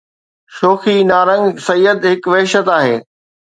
شوخي نارنگ سيد هڪ وحشت آهي